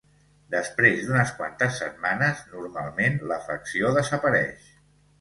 Després d'unes quantes setmanes, normalment l'afecció desapareix.